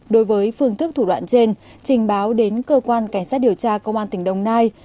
đối với phương thức thủ đoạn trên trình báo đến cơ quan cảnh sát điều tra công an tỉnh đồng nai